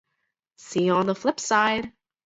See you on the flip side.